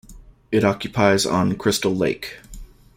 It occupies on Crystal Lake.